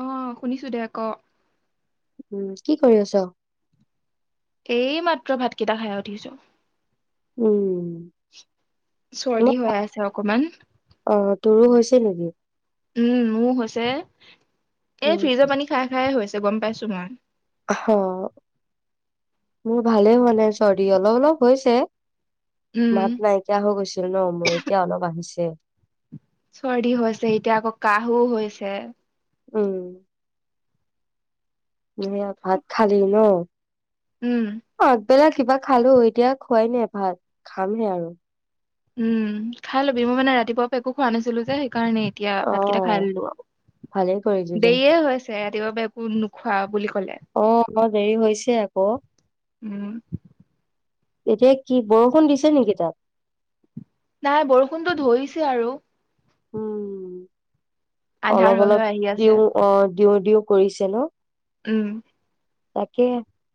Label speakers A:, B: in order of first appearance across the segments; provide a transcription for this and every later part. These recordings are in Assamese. A: অ', শুনিছোঁ দে, ক'।
B: উম, কি কৰি আছ'?
A: এইমাত্ৰ ভাতকেইটা খাই উঠিছো।
B: উম,
A: চৰ্দি হৈ আছে অকমান
B: অ', তোৰো হৈছে নেকি?
A: উম, মোৰ হৈছে।
B: উম,
A: এই ফ্ৰিজৰ পানী খায় খায়ে হৈছ তে গম পাইছো মই।
B: অ', মোৰ ভালেই হোৱা নাই চৰ্দি, অলপ অলপ হৈছে
A: উম
B: মাত নাইকিয়া হৈ গৈছিল ন মোৰ, এতিয়া অলপ আহিছে।
A: চৰ্দি হৈছে, এতিয়া আকৌ কাহো হৈছে।
B: উম। [unintelligible] ভাত খালি ন?
A: উম।
B: বেলা কিবা খালোঁ, এতিয়া খোৱাই নাই ভাত, খামহে আৰু।
A: উম, খাই ল'বি, মই মানে ৰাতিপুৱা পৰা একো খোৱা নাছিলোঁ যে সেই কাৰণে এতিয়া ভাতকেইটা খাই
B: অ',
A: ল'লো আৰু,
B: ভালেই কৰিলি দে।
A: দেৰিয়ে হৈছে ৰাতিপুৱাৰ পৰা একো নোখোৱা বুলি কলে
B: অ', অ', দেৰি হৈছে আকৌ।
A: উম।
B: এতিয়া কি, বৰষুণ দিছে নেকি তাত?
A: নাই, বৰষুণতো ধৰিছে আৰু।
B: উম।
A: আন্ধাৰ
B: অলপ
A: হৈ হৈ
B: অলপ
A: আহি আছে
B: দিওঁ, অ', দিওঁ দিওঁ কৰিছে ন?
A: উম।
B: তাকে,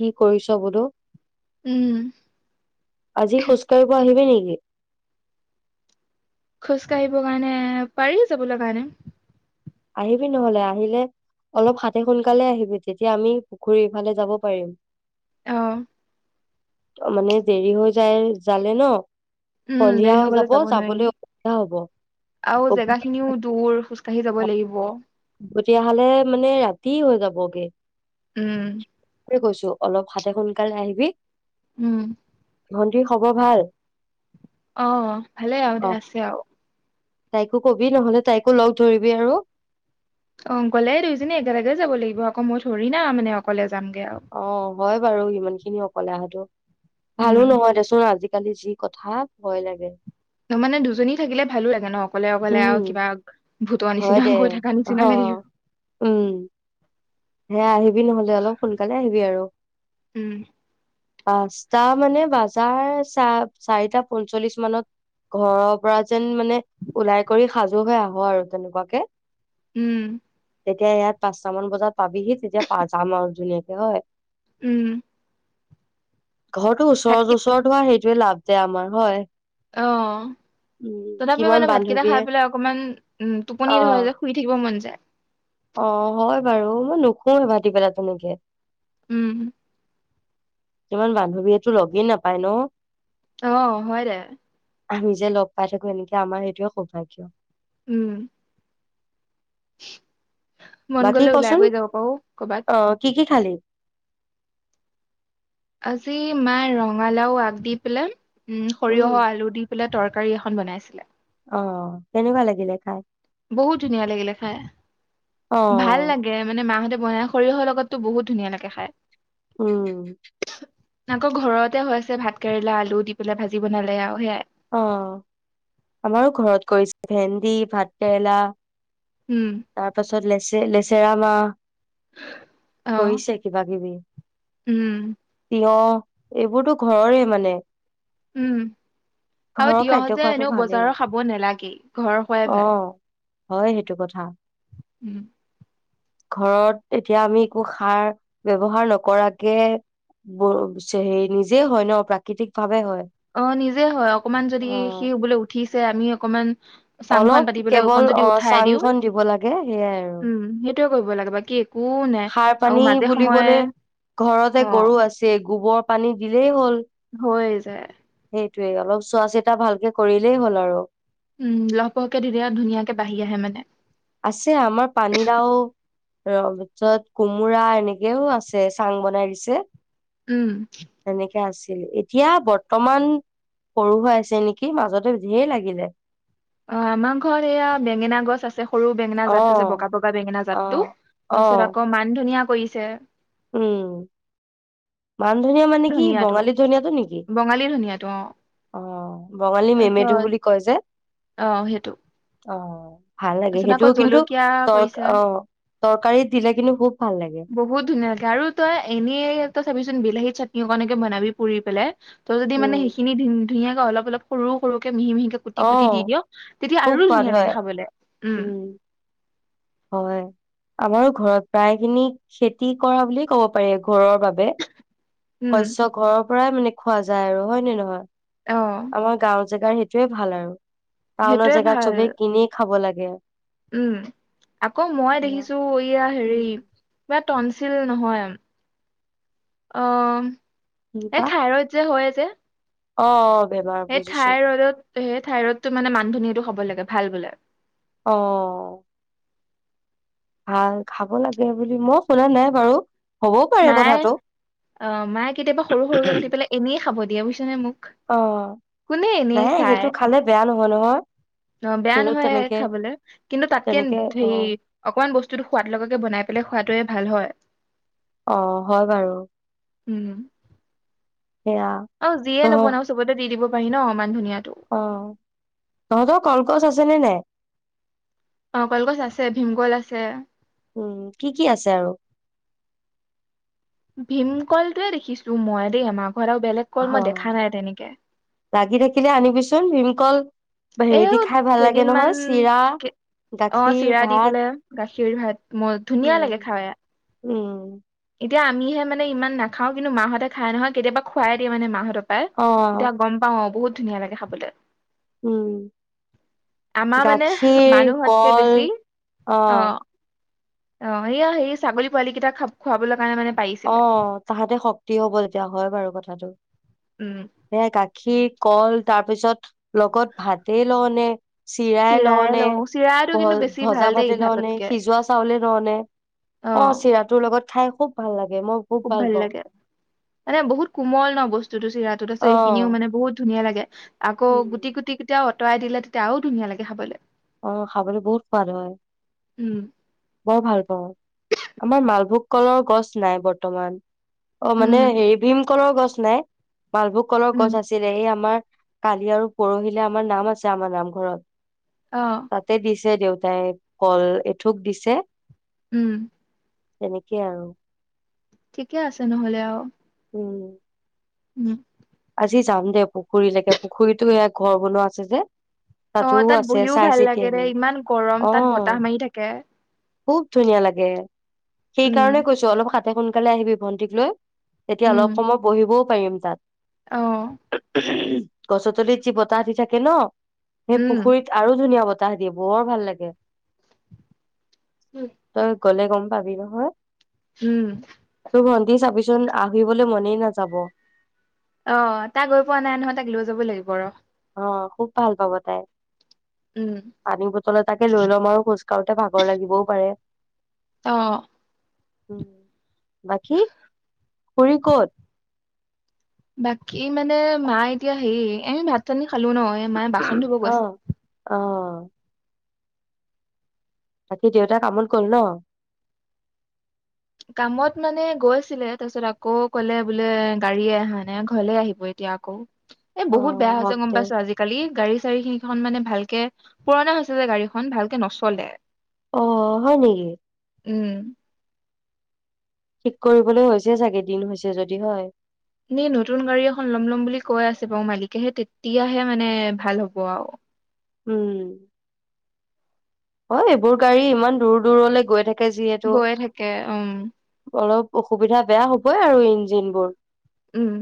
B: কি কৰিছ বুলো?
A: উম
B: আজি খোজকাঢ়িব আহিবি নেকি? [unintelligible]
A: খোজকাঢ়িবৰ কাৰণে পাৰি যাবলৈ কাৰণে।
B: আহিবি নহলে আহিলে অলপ সাতে সোনকালে আহিবি তেতিয়া আমি পুখুৰী ইফালে যাব পাৰিম।
A: অঁ।
B: মানে দেৰি হৈ যায় জালে ন।
A: উম
B: সন্ধিয়া
A: দেৰি হৈ গলে যাব নোৱাৰি।
B: যাবলৈ অসুবিধা হ'ব।
A: আৰু জেগা খিনিও দূৰ খোজ কাঢ়ি যাব লাগিব।
B: তেতিয়াহলে মানে ৰাতি হৈ যাবগে।
A: উম
B: সেইটোৱে কৈছো। অলপ সাতে সোনকালে আহিবি।
A: উম।
B: ভণ্টিৰ খবৰ ভাল?
A: অ'অ' ভালেই আৰু
B: অ
A: দে আছে আৰু।
B: তাইকো কবি নহ'লে তাইকো লগ ধৰিবি আৰু।
A: অঁ গলে দুইজনী একেলগে যাব লাগিব আকৌ মই থৰি না মানে অকলে যাম।
B: অঁ হয় বাৰু ইমানখিনি খিনি অকলে অহাটো।
A: উম
B: ভালো নহয়, দেচোন আজি কালি যি কথা ভয় লাগে।
A: ত' মানে দুজনী থাকিলে ভালো লাগে ন। অকলে - অকলে
B: উম
A: আৰু কিবা। ভূতৰ
B: হয়
A: নিচিনা
B: দে
A: গৈ থকা
B: হহ,
A: নিচিনা লাগিব
B: উম। হে আহিবি নহলে অলপ সোনকালে আহিবি আৰু।
A: উম,
B: পাঁচটা মানে বজাৰ চা চাৰিটা পঞ্চল্লিশ মানত ঘৰৰ পৰা যেন মানে ওলাই কৰি সাজু হৈ আহ আৰু তেনেকুৱাকে।
A: উম,
B: তেতিয়া ইয়াত পাঁচটা মান বজাত পাবিহি তেতিয়া পা যাম আৰু ধুনীয়াকে হয়।
A: উম।
B: ঘৰটো ওচৰত -
A: ভাতকেই
B: ওচৰত হোৱা সেইটোৱে লাভ আমাৰ হয়।
A: অহ
B: উম
A: ', তথাপি
B: কিমান
A: মানে ভাতকেইটা
B: বান্ধৱীয়ে
A: খাই পেলাই অকমান উম, টোপনি ধৰে যে শুই থাকিব মন যায়।
B: অহ ', হয় বাৰু মই নুশুৱেই ভাতি বেলা তেনেকে।
A: উম,
B: ইমান বান্ধৱীয়েতো লগেই নাপায় ন।
A: অহ ', হয় দে।
B: আমি যে লগ পাই থাকো এনেকে আমাৰ সেইটোৱে সৌভাগ্য।
A: উম, [inaudible] মন
B: বাকী
A: গলে ওলাই
B: কচোন
A: কৰি যাব পাৰো কৰ'বাত
B: অহ', কি - কি খালি?
A: আজি মায় ৰঙালাও আগ দি পেলাই উম,
B: উম
A: সৰিয়হৰ আলু দি পেলাই তৰকাৰী। কাৰী এখন বনাইছিলে।
B: অহ ', কেনেকুৱা লাগিলে খাই।
A: বহুত ধুনীয়া লাগিলে খাই। ভাল
B: অ',
A: লাগে মানে মাহতে বগা সৰিয়হৰ লগততো বহুত ধুনীয়া লাগে খায়।
B: উম,
A: আকৌ ঘৰতে হৈ আছে ভাত কেৰেলা আলু দি পেলাই ভাজি বনালে আৰু সেয়াই।
B: অহ ', আমাৰো ঘৰত কৰিছে ভেন্দি ভাতকেৰেলা।
A: উম,
B: তাৰপিছত লে লেচেৰা মাহ।
A: অ
B: কৰিছে কিবা কিবি
A: উম
B: তিয়হ। এইবোৰতো ঘৰৰে মানে।
A: উম, আৰু
B: ঘৰৰ খাদ্য
A: তিয়হ যে
B: খোৱাটো
A: এনেও
B: ভালেই।
A: বজাৰৰ খাব নালাগেই ঘৰ খোৱাই ভাল।
B: অ', হয়, সেইটো কথা।
A: উম,
B: ঘৰত এতিয়া আমি একো সাৰ ব্যৱহাৰ নকৰাকে হে, নিজে হয় ন প্ৰাকৃতিক ভাৱে হয়।
A: অঁ নিজে নিজে হয়, অকণমান যদি,
B: অ',
A: সি বোলে উঠিছে আমি অকমান চাংখন
B: অলপ
A: পাতি পেলাই অকণ
B: কেৱল
A: যদি
B: অঁ
A: উঠাই দিওঁ
B: চাংখনন দিব লাগে, সেইয়াই আৰু।
A: উম সেইটোয়ে কৰিব লাগে বাকী একো নাই
B: সাৰ
A: আৰু
B: পানী
A: মাজে সময়ে
B: বুলিবলে
A: অ
B: ঘৰতে গৰু আছেই, গোবৰ পানী দিলেই হ'ল।
A: হৈ যায়।
B: সেইটোৱেই অলপ, চোৱা চিতা ভালকে কৰিলেই হ'ল আৰু।
A: উম লহপহকে তেতিয়া ধুনীয়াকে বাঢ়ি আহে মানে।
B: আছে আমাৰ পানীলাও, তাৰ পিছত কোমোৰা এনেকেও আছে, চাং বনাই দিছে।
A: উম।
B: এনেকে আছিল এতিয়া বৰ্তমান সৰু হৈ আছে নেকি, মাজতে ধেই লাগিলে।
A: অঁ আমাৰ ঘৰত এয়া বেঙেনা গছ আছে সৰু বেঙেনা
B: অ
A: জাতটো যে, বগা বগা বেঙেনা
B: অ
A: জাত টো,
B: অ
A: তাৰপিছত আকৌ মান ধনীয়া কৰিছে।
B: উম। মান ধনিয়া মানে কি
A: ধনিয়াটো
B: বঙালী ধনিয়াটো নেকি?
A: বঙালী ধনিয়াটো অ
B: অঁ বঙালী মেমেধু
A: তাৰপিছত
B: বুলি কয় যে।
A: অ সেইটো
B: অ'। ভাল লাগে,
A: তাৰপিছত আকৌ
B: সেইটোও কিন্তু,
A: জলকীয়া
B: তৰ
A: কৰিছে
B: অঁ, তৰকাৰীত দিলে কিন্তু খুব ভাল লাগে
A: বহুত ধুনীয়া লাগে আৰু তই এনেই তই চাবিচোন বিলাহীত চাটনি অক এনেকে বনাবি পৰিু পেলাই ত যদি মানে
B: উম
A: সেইখিনি দিন ধুনীয়াকৈ অলপ অলপ সৰু কে মিহি মিহিকে কুটি
B: অ
A: কুটি দি দিয়, তেতিয়া
B: খুব
A: আৰু
B: সোৱাদ
A: ধুনীয়া লাগে
B: হয়
A: খাবলৈ, উম।
B: আমাৰ ঘৰত প্ৰায় খিনি খেতি কৰা বুলিয়ে কব পাৰি, ঘৰৰ বাবে।
A: উম
B: শস্যয় ঘৰ পৰা মানে খোৱা যায় আৰু। হয় নে নহয়?
A: অ
B: আমাৰ গাঁৱত জেগাৰ সেইটয়ে ভাল আৰু। তাওন
A: সেইটোৱে
B: জেগাত
A: ভাল
B: চবে কিনি খাব লাগে এ [unintelligible]
A: উম আকৌ মই দেখিছো এয়া হেৰি,
B: উম
A: বাত টনচিল নহয়, অঁ এ ঠাইত যে হৈ আছে [inaudible]
B: অঁ।
A: সেই ঠাই ৰদত সেই থঠাই ৰদটো মানে মানধনীটো খাব লাগে। ভাল বোলে।
B: অ ভাল খাব লাগে বুলি মই শুনা নাই বাৰু। হ'বও পাৰে
A: মায়ে
B: কথাটো
A: অ মায়ে কেতিয়াবা সৰু সৰুকে কতি পেলাই এনে খাব দিয়ে বুজিছ নে মোক
B: অ
A: কোনে এনেয়ে
B: নাই
A: খায়
B: সেইটো খালে বেয়া নহয় নহয়
A: অ বেয়া
B: সেইটো
A: নহয়
B: তেনেকে
A: খাবলৈ কিন্তু তাতকে
B: তেনেকে অ
A: হে, অকমান বস্তুটো সোৱাদ লগে বনাই পেলাই খোৱাটোৱে ভাল হয়।
B: অ হয় বাৰু।
A: উম
B: সেয়া
A: অ যিয়ে
B: তহ
A: নবনাও চবতে দি দিব, পাৰি ন মানধুনীয়া।
B: অ তহঁতৰ কলগছ আছে নে নাই?
A: অ কলগছ আছে ভীমকল আছে।
B: উম কি-কি আছে আৰু
A: ভীমকলটোৱে দেখিছো মই দেই আমাক ঘ বেলেগ কল
B: অ
A: মই দেখা নাই তেনেকে
B: লাগি থাকিলে আনিবিচোন ভীমকল হেৰি দি
A: এইও
B: খাই ভাল লাগে
A: কেইদিনমান
B: নহয় চিৰা
A: অ
B: গাখীৰ
A: চিৰা দি
B: ভাত
A: পলে গাখীৰ ভাত মোৰ ধুনীয়া
B: উম
A: লাগে খায়।
B: উম
A: এতিয়া আমিে মে ইমান নাখা কিন্তু মাহঁতে খাই নহয় কেতিয়াবা খুৱাই দিয়ে মানে মাহঁক পাই
B: অ
A: তেতিয়া গম পাও অ বহুত ধুনীয়া লাগে খাবলে।
B: উম
A: আমাৰ মানে
B: গাখীৰ
A: মানুহতকে
B: কল
A: বেছি অ
B: অহ।
A: অ সেইয়া সেই ছাগলী পোৱালি কেইটা খাব। খুৱাব
B: অ' তাহাঁতে শক্তি হব তেতিয়া হয় বাৰু। কথাটো
A: উম
B: সে গাখীৰ কল তাৰ পিছত লগত ভাতেই লওঁনে। চিৰাই লওঁনে
A: লওঁ চিৰাটো
B: ভ
A: কিন্তু বেছি
B: ভজা
A: ভাল দেই
B: ভাতে লওঁনে
A: ভাততকে
B: সিজোৱা চাউলে লওঁনে অ' চিৰাটোৰ লগত খাই। খুব ভাল লাগে।
A: খুব ভাল লাগে মানে বহুত কোমল ন বস্তুতটো চিৰা। আছে
B: অ
A: সখিনিও মানে বহুত। ধুনীয়া লাগে। আকৌ গুটি-গুটি কেতাও। উতৰাই দিলে তেতিয়া আৰু ধুনীয়া লাগে খাবলে।
B: অ খাবলৈ বহুত সোৱাদ হয়
A: উম
B: বৰ ভাল পাওঁ আমাৰ মালভোগ কলৰ গছ নাই বৰ্তমান। অ মানে
A: উম
B: হেৰি ভীম, কলৰ গছ নাই? মালভোগ কলৰ গছ
A: উম
B: আছিলে সে আমাৰ কালি আৰু পৰহিলে আমাৰ নাম আছে, আমাৰ নামঘৰত।
A: অ
B: তাতে দিছ যে দেউতাই কল এঠোক দিছে।
A: উম।
B: তেনেকেই আৰু।
A: ঠিকে আছে নহ'লে আৰু।
B: উম।
A: উম।
B: জি যাম দে পুখুৰীলৈকে পুখুৰীটো এ ঘৰ বনোৱা আছে যে।
A: অ
B: তাতো
A: তাত
B: আছে
A: বহিও
B: চাই
A: ভাল
B: চিতি
A: লাগে দে
B: আহিম
A: ইমান গৰম তাত বতাহ
B: অ',
A: মাৰি থাকে
B: খুব ধুনীয়া লাগে
A: উম
B: সেইকাৰণে কৈছো অলপ সাত তে সোনকালে আহিবি ভণ্টিক লৈ। তেতিয়া
A: উম
B: অলপ সময় বহিবও পাৰিম তাত।
A: অ'।
B: গছ তলিত যি বতাহ দি থাকে ন'। সেই
A: উম
B: পুখুৰীত আৰু ধুনীয়া বত তাহ দিয়ে বৰ ভাল লাগে। তই গ'লে গম পাবি নহয়।
A: উম
B: তোৰ ভন্টি চাবিচোন আহিবলৈ মনে নিয়া যাব।
A: অ', তাই গৈ পোৱা নাই নহয় তাইক লৈ যাবই লাগিব ৰ'।
B: অ', খুব ভাল পাব তাই।
A: উম
B: পানী বটল এটাকে লৈ লম আৰু খোজ কাঢ়োতে ভাগৰ লাগিবও পাৰে।
A: অ'।
B: উম। বাকী? খুড়ী ক'ত?
A: বাকী মানে মা এতিয়া হেৰি এ ভাত পানী খালোঁ ন' এ মায়ে বাচন ধুব
B: অ
A: গৈছে।
B: অ বাকী দেউতা কামত গ'ল ন'?
A: কামত মানে গৈছিলে তাৰপিছত আকৌ ক'লে বোলে গাড়ীয়ে আহা নাই ঘৰলে আহিব এতিয়া আকৌ। এ
B: অ
A: বহুত বেয়া
B: হওক
A: হৈছে, গম
B: দে
A: পাইছ' আজিকালি গাড়ী গাড়ী খিনিখন মানে ভালকে, পুৰণা হৈছে যে গাড়ীখন ভালকে নচলে।
B: অ' হয় নেকি?
A: উম।
B: ঠিক কৰিবলৈ হৈছে চাগে দিন হৈছে যদি হয়।
A: এনে নতুন গাড়ী এখন ল'ম ল'ম বুলি কৈ আছে বাৰু মালিকে হে তেতিয়াহে মানে ভাল হ'ব আৰু।
B: উম। অ এইবোৰ গাড়ী ইমান দূৰ দূৰলৈ গৈ থাকে। যিহেতু,
A: গৈয়ে থাকে উম
B: অলপ অসুবিধা বেয়া হ'বই আৰু ইঞ্জিন বোৰ।
A: উম।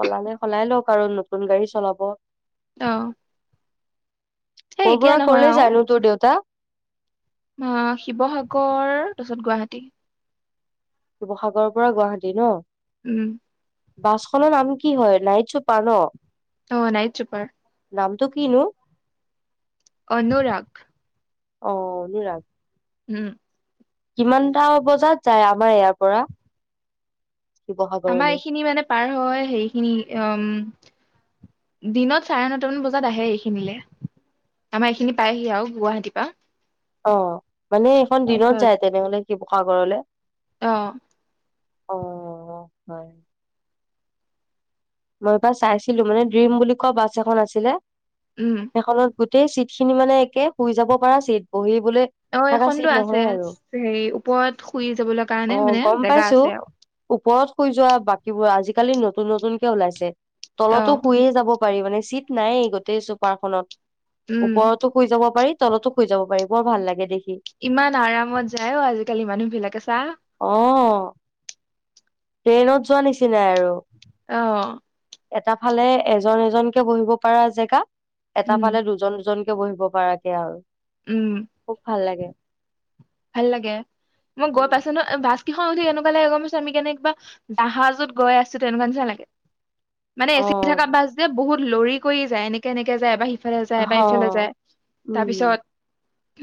B: সলালে সলাই লক কাৰ নতুন গাড়ী চলাব।
A: অ। সেই
B: ক'ৰ
A: এতিয়া
B: পৰা
A: নহয়
B: ক'লে
A: আৰু।
B: যায়নো তোৰ দেউতা?
A: শিৱসাগৰ তাৰ পাছত গুৱাহাটী।
B: শিৱসাগৰৰ পৰা গুৱাহাটী ন?
A: উম
B: বাছখনৰ নাম কি? কি হয় নাইট ছুপাৰ ন?
A: অ নাইট ছুপাৰ।
B: নামটো কিনু?
A: অনুৰাগ।
B: অ অনুৰাগ
A: উম
B: কিমানটা বজাত যায় আমাৰ ইয়াৰ পৰা? শিৱসাগৰলৈ
A: আমাৰ এইখিনি মানে পাৰ হয় সেইখিনি, উম দিনত চাৰে নটামান বজাত আহে এইখিনিলে আমাৰ এইখিনি পায়হি আৰু গুৱাহাটীৰ পৰা।
B: অঁ। মানে এইখন দিনত যায় তেনেহলে কি? শিৱসাগৰলৈ!
A: অঁ।
B: অঁ হয়। মই এবাৰ চাইছিলো মানে ড্ৰিম বুলি কোৱা বাছ এখন আছিলে।
A: উম
B: সেইখনত গোট গোটেই চিটখিনি মানে একে শুই যাব পৰা চিট বহি
A: অঁ এইখনতো আছে হেৰি, ওপৰত শুই যাবলৈ কাৰণে
B: অ',
A: মানে
B: গম
A: জেগা
B: পাইছো
A: আছে আৰু।
B: কিবা আজিকালি নতুন নতুন ওলাইছে।
A: অ
B: তলতো শুয়ে যাব পাৰি মানে চিট নাই গোটেই চোপাৰখনত।
A: উম
B: ওপৰতো শুই যাব পাৰি তলতো শুই যাব পাৰি বৰ ভাল লাগে দেখি
A: ইমান আৰামত যায় অ আজিকালি মানুহ বিলাকে চা
B: অঁ। ট্ৰেইনত যোৱা নিছি যায় আৰু।
A: অ
B: এটা ফালে এজন এজনকে বহিব পৰা জেগা এটা
A: উম
B: ফালে দুজন দুজন বহিব পৰাকে আৰু।
A: উম
B: খুব ভাল লাগে।
A: ভাল লাগে মই গৈ
B: উম।
A: পাইছো ন বাছখনত উঠি এনেকুৱা লাগে গম পাইছো আমি কেনে কিবা জাহাজত গৈ আছো তেনেকুৱা নিচনা লাগে। মানে
B: অ
A: এচি থকা বাছ যে বহুত। লৰি কৰি যায় এনেে এনেকে যায় এবাৰ সি সিফালে যায়
B: হ
A: এবাৰ ইফালে যায় তাৰপিছত
B: উম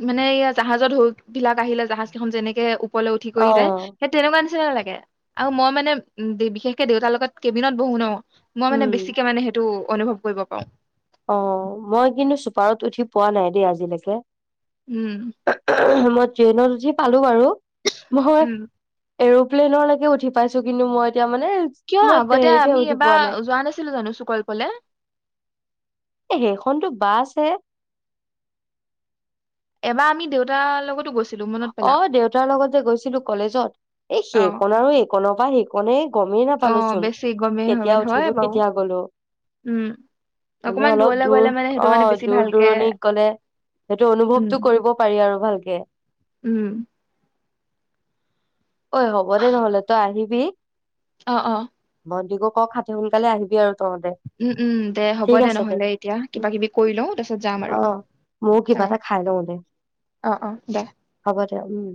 A: মানে এয়া জাহাজত ঢৌ। বিলাক আহিলে জাহাজ কেইখন যে এনেকে ও ওপলে উঠি
B: অ
A: কৰি যায় যায় সেই তেনেকুৱা নি নিচিনা লাগে আৰু মই মানে বিশেষকে দেউতাৰ লগত কেবিনত বহো ন। মই মানে
B: উম
A: বেছিকে মানে সেইটো। অনুভৱ কৰিব পাৰো।
B: অ' মই কিন্তু চুপাৰত উঠি পোৱা নাই দেই আজিলৈকে
A: উম।
B: মই ট্ৰেইনত উঠি পালো বাৰু। নহয়।
A: উম
B: এৰো'প্লেনৰ লৈকে উঠি পাইছোঁ। কিন্তু মই এতিয়া মানে
A: কিয়?
B: মই
A: আগতে
B: হেৰিতহে
A: আমি
B: উঠি পোৱা
A: এবাৰ
B: নাই
A: যোৱা নাছিলো জানো চুকল্পলে।
B: এ, সেইখনতো বাছ হে!
A: এবাৰ আমি দেউতাৰ লগতো গৈছো।
B: অ' দেউতাৰ লগত যে গৈছিলো কলেজত। এ
A: অ
B: সেইকণ আৰু এইকণৰ পৰা সেইকণহে। গমেই
A: অ
B: নাপালো চোন,
A: বেছি গমেই
B: কেতিয়া
A: হয় হয়
B: উঠিলো
A: বাৰু
B: কেতিয়া গলো।
A: উম
B: মানে
A: অকমান
B: অলপ
A: দূৰলে
B: দূৰ
A: গলে মানে সেইটো মানে
B: অ'
A: বেছি
B: দূৰ
A: ভালকে
B: দূৰণিত গ'লে সেইটো
A: উম
B: অনুভৱতটো কৰিব পাৰি আৰু ভালকে।
A: উম!
B: ঐ হ'ব দে নহ'লে, তই আহিবি।
A: অ' অ'
B: অ' [inaudible] সোনকালে আহিবি আৰু। তহঁতে
A: উম, উম দে হ'ব
B: ঠিক
A: দে
B: আছে
A: নহ'লে, এতিয়া কিবা
B: উম
A: কিবি কৰি লওঁ তাৰপিছত যাম আৰু
B: অ ময়ো কিবা
A: অ'
B: এটা খাই লওঁ দে
A: অ' অ'। দে
B: হ'ব দে উম!